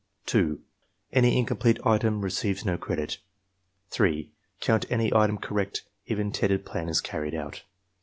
2. Any incomplete item receives no credit. 3. Count any item correct if intended plan is carried out.